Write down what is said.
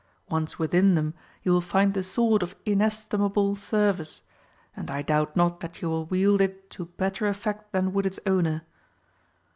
Once within them you will find the sword of inestimable service, and I doubt not that you will wield it to better effect than would its owner.